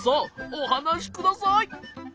おはなしください。